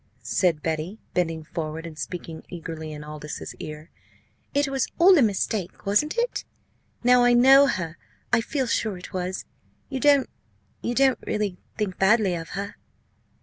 said Betty, bending forward and speaking eagerly in Aldous's ear. "It was all a mistake wasn't it? Now I know her I feel sure it was. You don't you don't really think badly of her?"